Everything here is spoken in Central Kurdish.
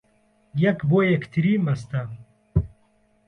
یەک بۆ یەکتری مەستە